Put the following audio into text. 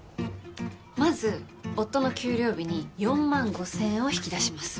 まず夫の給料日に４万５，０００円を引き出します。